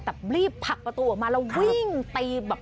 แต่รีบผลักประตูออกมาแล้ววิ่งตีแบบ